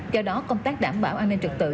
do đó công tác đảm bảo an ninh trực tự